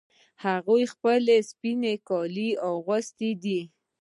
هغې خپل سپین کالي اغوستې دي